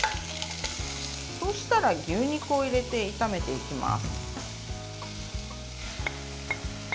そうしたら、牛肉を入れて炒めていきます。